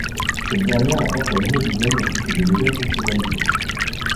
Cette dernière apporte un nouveau design ainsi que de nouvelles fonctionnalités.